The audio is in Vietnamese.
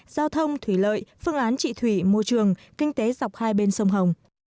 giao thông thủy lợi phương án trị thủy môi trường kinh tế dọc hai bên sông hồng